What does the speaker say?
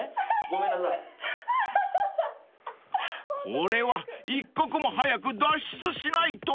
［これは一刻も早く脱出しないと］